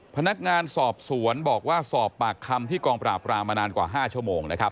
พนักงานสอบสวนบอกว่าสอบปากคำที่กองปราบรามมานานกว่า๕ชั่วโมงนะครับ